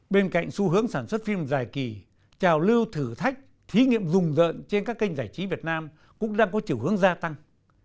bên cạnh xu hướng sản xuất phim dài kỳ trào lưu thử thách thí nghiệm rùng rợn trên các kênh giải trí việt nam cũng đang có chiều hướng gia tăng